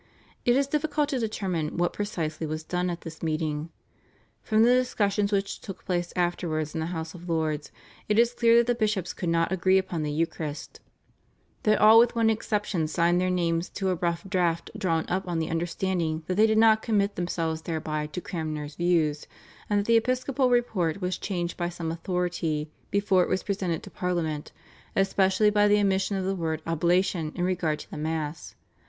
It is difficult to determine what precisely was done at this meeting. From the discussions which took place afterwards in the House of Lords it is clear that the bishops could not agree upon the Eucharist, that all with one exception signed their names to a rough draft drawn up on the understanding that they did not commit themselves thereby to Cranmer's views, and that the episcopal report was changed by some authority before it was presented to Parliament, especially by the omission of the word "oblation" in regard to the Mass.